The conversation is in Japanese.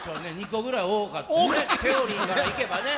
２個ぐらい多かったね